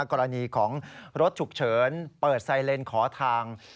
กรณีของรถฉุกเฉินเปิดไซเลนขอทาง